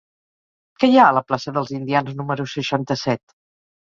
Què hi ha a la plaça dels Indians número seixanta-set?